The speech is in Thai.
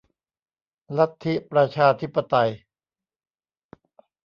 ลัทธิประชาธิปไตย